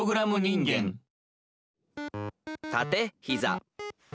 「たてひざ」。